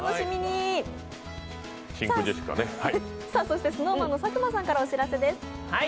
そしてＳｎｏｗＭａｎの佐久間さんからお知らせです。